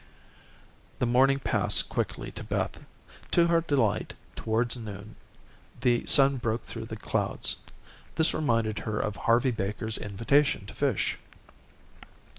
The morning passed quickly to Beth. To her delight, towards noon the sun broke through the clouds. This reminded her of Harvey Baker's invitation to fish.